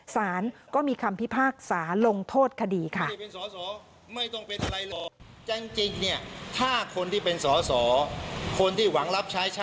สารก็มีคำพิพากษาลงโทษคดีค่ะ